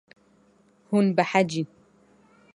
Hûn behecîn.